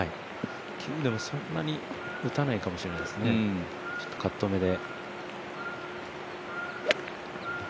９でもそんなに打たないかもしれないですね、カット目で。